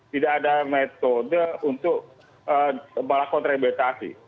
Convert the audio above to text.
tidak ada metode untuk melakukan rehabilitasi